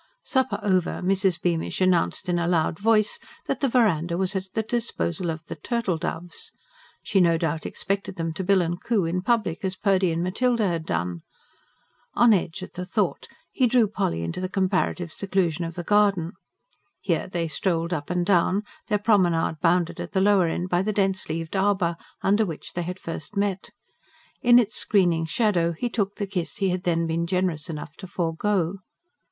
Supper over, Mrs. Bearnish announced in a loud voice that the verandah was at the disposal of the "turtle doves." She no doubt expected them to bill and coo in public, as Purdy and Matilda had done. On edge at the thought, he drew Polly into the comparative seclusion of the garden. Here they strolled up and down, their promenade bounded at the lower end by the dense leaved arbour under which they had first met. In its screening shadow he took the kiss he had then been generous enough to forgo.